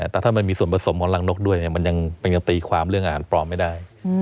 แต่ถ้ามันมีส่วนผสมของรังนกด้วยมันยังตีความเรื่องอาหารปลอมไม่ได้